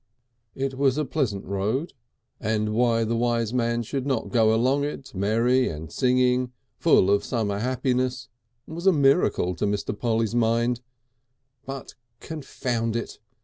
It was a pleasant road, and why the wise man should not go along it merry and singing, full of summer happiness, was a miracle to Mr. Polly's mind, but confound it!